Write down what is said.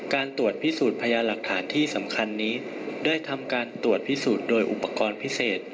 การตรวจพิสูจน์พยานหลักฐานที่สำคัญนี้ได้ทำการตรวจพิสูจน์โดยอุปกรณ์พิเศษ